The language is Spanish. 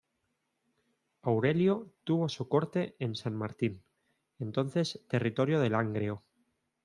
Aurelio tuvo su corte en San Martín, entonces territorio de Langreo.